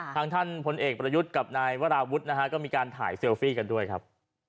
ท่านพลเอกประยุทธ์กับนายวราวุฒินะฮะก็มีการถ่ายเซลฟี่กันด้วยครับ